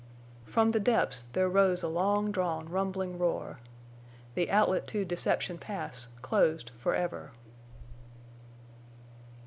From the depths there rose a long drawn rumbling roar. The outlet to Deception Pass closed forever.